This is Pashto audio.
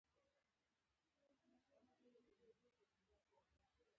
هغه کوښښ کوي چې خپله پانګه نوره هم زیاته کړي